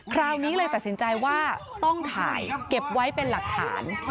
คราวนี้เลยตัดสินใจว่าต้องถ่ายเก็บไว้เป็นหลักฐาน